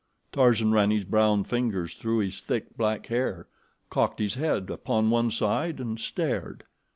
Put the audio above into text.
Tarzan ran his brown fingers through his thick, black hair, cocked his head upon one side, and stared.